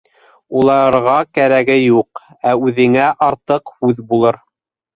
Уларға кәрәге юҡ, ә үҙеңә артыҡ һүҙ булыр.